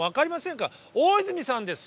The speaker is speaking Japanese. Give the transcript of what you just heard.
大泉さんです。